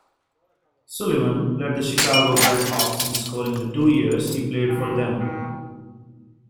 Sullivan led the Chicago Blackhawks in scoring the two years he played for them.